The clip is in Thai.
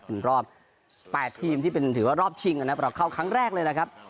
เป็นรอบ๘ทีมที่เป็นถือว่ารอบชิงนะครับเราเข้าครั้งแรกเลยนะครับ